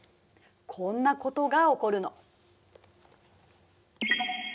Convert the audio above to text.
こんなことが起こるの。